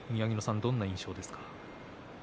どんな印象ですか？